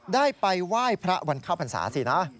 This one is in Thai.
ได้ไปว่ายพระวันข้าวฟรรสสีนะ